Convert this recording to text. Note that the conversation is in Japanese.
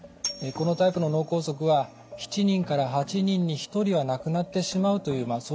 このタイプの脳梗塞は７人から８人に１人は亡くなってしまうというま